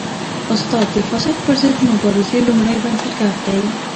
استاد د فساد پر ضد د مبارزې لومړی بنسټګر دی.